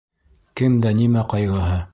Кемдә нимә ҡайғыһы.